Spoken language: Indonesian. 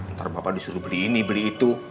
ntar bapak disuruh beli ini beli itu